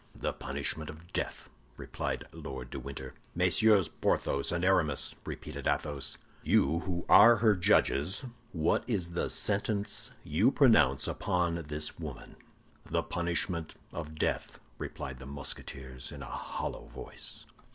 "The punishment of death," replied Lord de Winter. "Messieurs Porthos and Aramis," repeated Athos, "you who are her judges, what is the sentence you pronounce upon this woman?" "The punishment of death," replied the Musketeers, in a hollow voice.